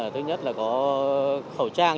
thứ nhất là có khẩu trang